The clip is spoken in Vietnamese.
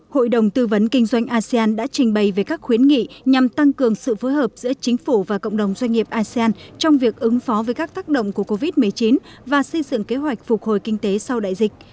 hội đồng tư vấn kinh doanh asean đã trình bày về các khuyến nghị nhằm tăng cường sự phối hợp giữa chính phủ và cộng đồng doanh nghiệp asean trong việc ứng phó với các tác động của covid một mươi chín và xây dựng kế hoạch phục hồi kinh tế sau đại dịch